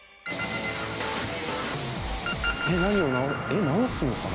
何をえっ直すのかな？